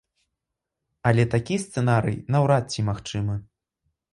Але такі сцэнарый, наўрад ці магчымы.